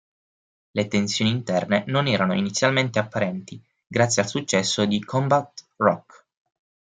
Le tensioni interne non erano inizialmente apparenti, grazie al successo di "Combat Rock".